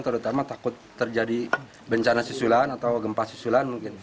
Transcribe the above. terutama takut terjadi bencana susulan atau gempa susulan mungkin